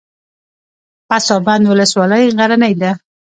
پسابند ولسوالۍ غرنۍ ده؟